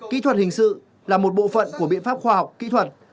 kỹ thuật hình sự là một bộ phận của biện pháp khoa học kỹ thuật